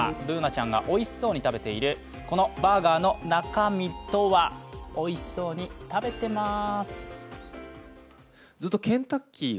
Ｂｏｏｎａちゃんがおいしそうに食べているこのバーガーの中身とはおいしそうに食べてまーす。